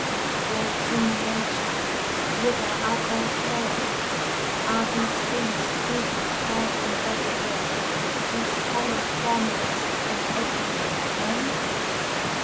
Great human nature, whither art thou fled? Are these things creeping forth and back agen, These hollow formalists and echoes, men?